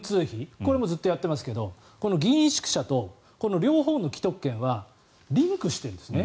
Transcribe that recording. これもずっとやってますけどこの議員宿舎と両方の既得権はリンクしてるんですね。